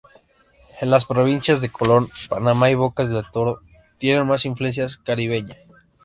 En las provincias de Colón, Panamá y Bocas del Toro tiene más influencia caribeña.